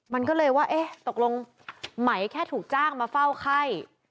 มันก็เลยว่าเอ๊ะตกลงไหมแค่ถูกจ้างมาเฝ้าไข้